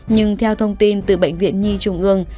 nhưng theo thông tin từ bệnh viện nhi trung ương